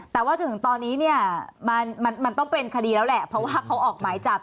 แต่ว่าจนถึงตอนนี้เนี่ยมันต้องเป็นคดีแล้วแหละเพราะว่าเขาออกหมายจับ